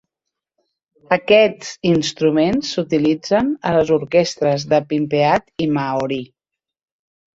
Aquests instruments s'utilitzen a les orquestres de pinpeat i mahaori.